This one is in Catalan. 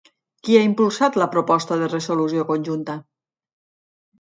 Qui ha impulsat la proposta de resolució conjunta?